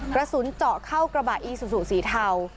กระสุนเจาะเข้ากระบะอีซูซูสีเทา